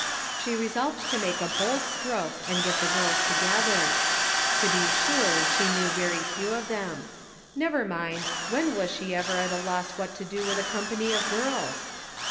She resolved to make a bold stroke and get the girls together. To be sure she knew very few of them. Never mind ; when was she ever at a loss what to do with a company of girls?